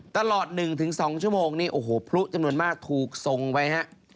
ตลอด๑๒ชั่วโมงนี่พลุจำนวนมากถูกทรงไปนะครับ